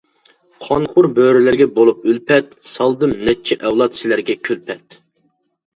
قانخور بۆرىلەرگە بولۇپ ئۈلپەت، سالدىم نەچچە ئەۋلاد سىلەرگە كۈلپەت.